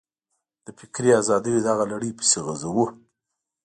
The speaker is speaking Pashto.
د فکري ازادیو دغه لړۍ پسې غځوو.